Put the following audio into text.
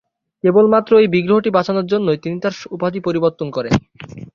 কেবলমাত্র এই বিগ্রহটি বাঁচানোর জন্য তিনি তার উপাধি পরিবর্তন করেন।